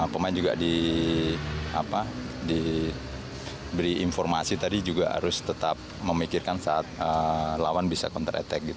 pemain juga diberi informasi tadi juga harus tetap memikirkan saat lawan bisa counter attack